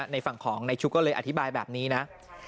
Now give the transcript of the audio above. ในฝั่งของในชุกก็เลยอธิบายแบบนี้นะ